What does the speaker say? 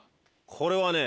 これはね。